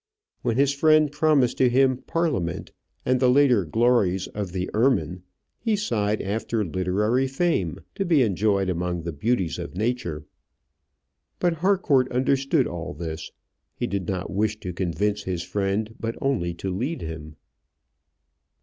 When his friend promised to him Parliament, and the later glories of the ermine, he sighed after literary fame, to be enjoyed among the beauties of nature. But Harcourt understood all this: he did not wish to convince his friend, but only to lead him.